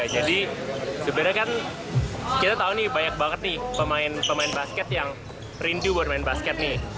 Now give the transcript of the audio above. jadi sebenarnya kan kita tahu nih banyak banget nih pemain basket yang rindu buat main basket nih